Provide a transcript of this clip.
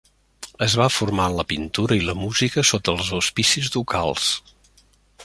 Es va formar en la pintura i la música sota els auspicis ducals.